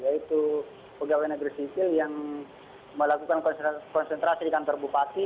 yaitu pegawai negeri sipil yang melakukan konsentrasi di kantor bupati